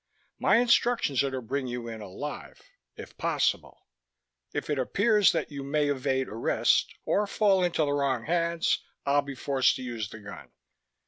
My instructions are to bring you in, alive if possible. If it appears that you may evade arrest ... or fall into the wrong hands, I'll be forced to use the gun."